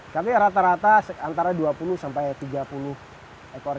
tapi rata rata antara dua puluh sampai tiga puluh ekor